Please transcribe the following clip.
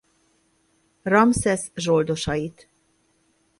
Ramszesz zsoldosait.